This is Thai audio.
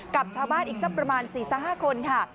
กับชาวบ้านอีกสักประมาณ๔๕คนค่ะ